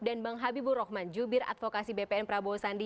dan bang habibur rahman jubir advokasi bpn prabowo sandi